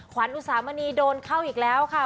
ขวัญอุสามณีโดนเข้าอีกแล้วค่ะ